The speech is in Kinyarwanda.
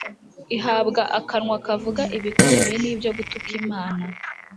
Ihabwa akanwa kavuga ibikomeye n’ibyo gutuka Imana,